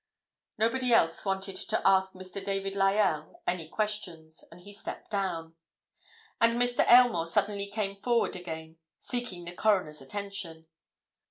Nobody else wanted to ask Mr. David Lyell any questions, and he stepped down. And Mr. Aylmore suddenly came forward again, seeking the Coroner's attention.